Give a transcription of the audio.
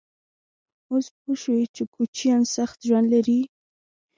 _اوس پوه شوې چې کوچيان سخت ژوند لري؟